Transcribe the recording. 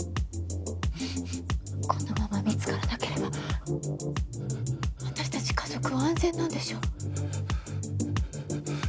このまま見つからなければ私たち家族は安全なんでしょ？